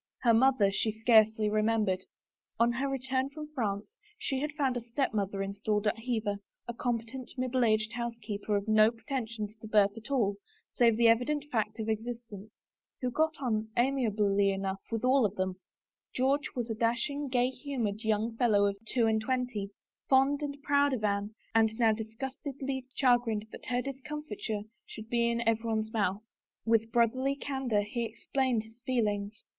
Her mother she scarcely remembered. On her return from France she had found a stepmother in stalled at Hever, a competent, middle aged housekeeper of no pretensions to birth at all, save the evident fact of existence, who got on, amiably enough, with them all. George^was a dashing, gay humored young fellow of two and twenty, fond and proud of Anne and now dis gustedly chagrined that her discomfiture should be in everyone's mouth. With brotherly candor he explained his feelings.